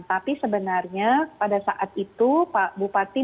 tapi sebenarnya pada saat itu bupati mengatakan